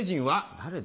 誰だ？